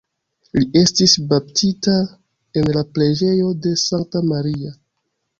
Li estis baptita en la Preĝejo de Sankta Maria.